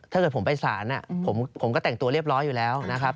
ถ้าเกิดผมไปศาลผมก็แต่งตัวเรียบร้อยอยู่แล้วนะครับ